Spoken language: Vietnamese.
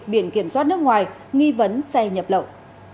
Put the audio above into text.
biển kiểm soát nước ngoài nghi vấn xe nhập lậu